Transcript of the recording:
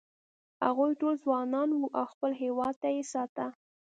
هغوی ټول ځوانان و او خپل هېواد یې ساته.